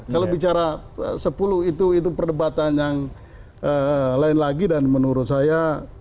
bagaimana cara sepuluh itu itu perdebatan yang lain lagi dan menurut saya